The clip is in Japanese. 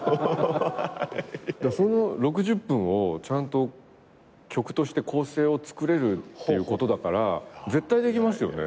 その６０分をちゃんと曲として構成を作れるっていうことだから絶対できますよね。